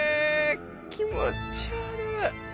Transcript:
気持ち悪い。